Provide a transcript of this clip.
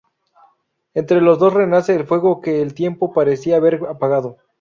Entre los dos renace el fuego que el tiempo parecía haber apagado.